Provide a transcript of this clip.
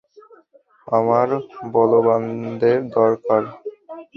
আমার বলবানদের দরকার!